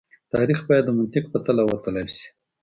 تاريخ بايد د منطق په تله وتلل شي.